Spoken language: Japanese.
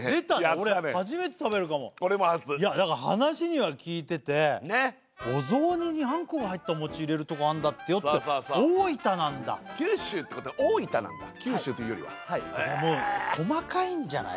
俺初めて食べるかもやったね俺も初だから話には聞いててお雑煮にあんこが入ったお餅入れるところあるんだってよって大分なんだ九州というよりははい細かいんじゃない？